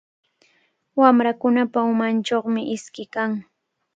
Wamrakunapa umanchawmi iski kan.